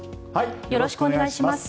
よろしくお願いします。